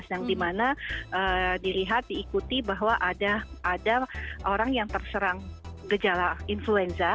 yang dimana dilihat diikuti bahwa ada orang yang terserang gejala influenza